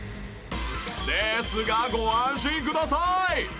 ですがご安心ください！